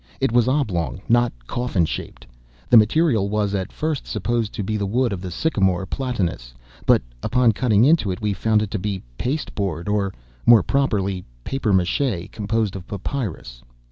It was oblong—not coffin shaped. The material was at first supposed to be the wood of the sycamore (platanus), but, upon cutting into it, we found it to be pasteboard, or, more properly, papier mache, composed of papyrus.